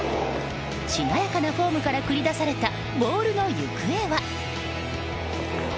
しなやかなフォームから繰り出されたボールの行方は。